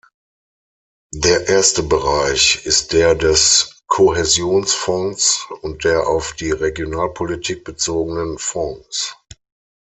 Der erste Bereich ist der des Kohäsionsfonds und der auf die Regionalpolitik bezogenen Fonds.